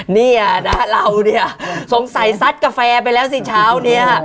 นี่อ่ะเราสงสัยซัดกาแฟไปแล้วสิเช้านี้